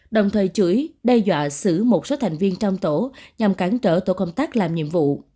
đồng thời chửi đe dọa xử một số thành viên trong tổ nhằm cản trở tổ công tác làm nhiệm vụ